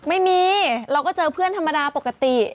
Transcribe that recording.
ไม่มีเราก็เจอเพื่อนธรรมดาปกติ